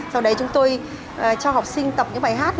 sau đấy chúng tôi cho học sinh tập những bài hát